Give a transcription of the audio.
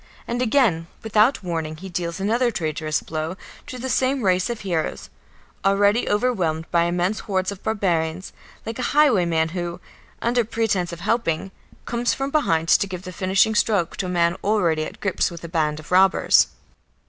And again without warning he deals another traitorous blow to the same race of heroes, already overwhelmed by immense hordes of barbarians, like a highwayman who, under pretence of helping, comes from behind to give the finishing stroke to a man already at grips with a band of robbers.